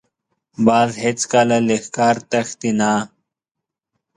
باز هېڅکله له ښکار تښتي نه